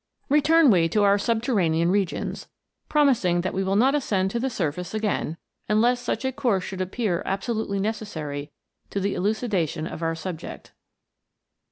Return we to our subterranean regions, promising that Ave will not ascend to the surface again unless such a course should appear absolutely necessary to the elucidation of our subject.